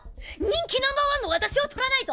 人気ナンバーワンの私を撮らないと！？